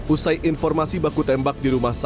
usai informasi baku tembak di rumah sang jenderal